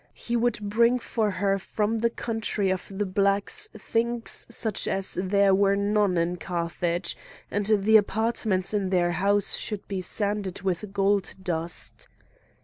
He would bring for her from the country of the Blacks things such as there were none in Carthage, and the apartments in their house should be sanded with gold dust.